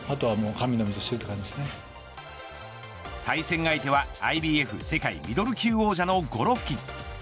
対戦相手はＩＢＦ世界ミドル級王者のゴロフキン。